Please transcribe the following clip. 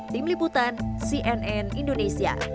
tim liputan cnn indonesia